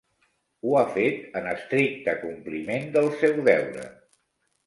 Ho ha fet en estricte compliment del seu deure.